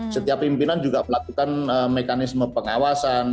setiap pimpinan juga melakukan mekanisme pengawasan